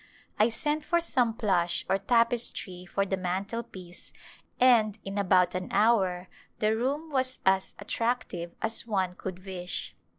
I sent for some plush or tapestry for the mantelpiece and m about an hour the room was as attractive as one could wish.